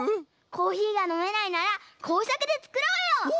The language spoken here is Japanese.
コーヒーがのめないならこうさくでつくろうよ！